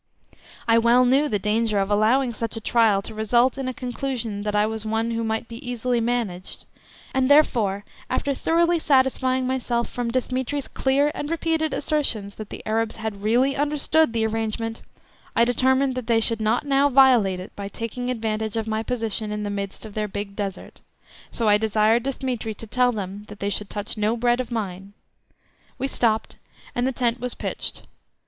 I well knew the danger of allowing such a trial to result in a conclusion that I was one who might be easily managed; and therefore, after thoroughly satisfying myself from Dthemetri's clear and repeated assertions that the Arabs had really understood the arrangement, I determined that they should not now violate it by taking advantage of my position in the midst of their big Desert, so I desired Dthemetri to tell them that they should touch no bread of mine. We stopped, and the tent was pitched.